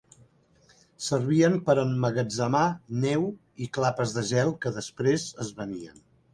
Servien per emmagatzemar neu i clapes de gel que després es venien.